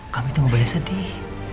kamu itu gak boleh sedih